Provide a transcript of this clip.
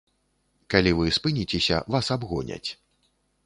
Калі вы спыніцеся, вас абгоняць.